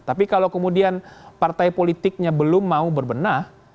tapi kalau kemudian partai politiknya belum mau berbenah